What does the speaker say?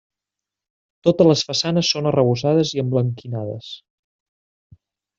Totes les façanes són arrebossades i emblanquinades.